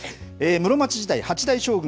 室町時代八代将軍